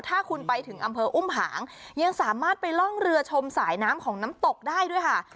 ถ้าคุณไปถึงอำเภออุ้มหางยังสามารถไปล่องเรือชมสายน้ำของน้ำตกได้ด้วยค่ะ